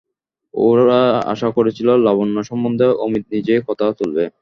ওরা আশা করেছিল, লাবণ্য সম্বন্ধে অমিত নিজেই কথা তুলবে।